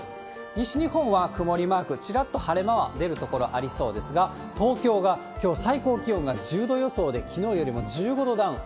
西日本は曇りマーク、ちらっと晴れ間は出る所ありそうですが、東京はきょう最高気温が１０度予想で、きのうよりも１５度ダウン。